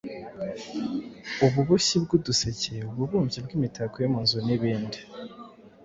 ububoshyi bw’uduseke, ububumbyi bw’imitako yo mu nzu n’ibindi.